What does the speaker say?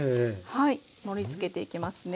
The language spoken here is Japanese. はい盛りつけていきますね。